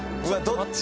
どっち？